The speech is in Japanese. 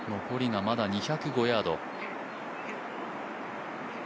残りがまだ２０５ヤード。